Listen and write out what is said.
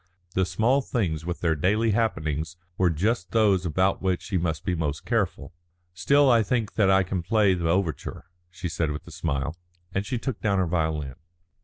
The small things with their daily happenings were just those about which she must be most careful. "Still I think that I can play the overture," she said with a smile, and she took down her violin.